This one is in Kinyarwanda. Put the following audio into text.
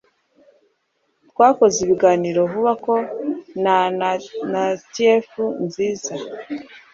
twakoze ibiganiro vuga ko na na tief nziza